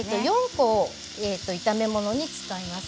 ４個は炒め物に使います。